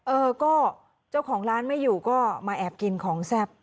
เออก็เจ้าของร้านไม่อยู่ก็มาแอบกินของแซ่บ